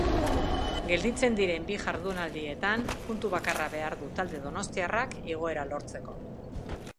Gelditzen diren bi jardunaldietan puntu bakarra behar du talde donostiarrak igoera lortzeko.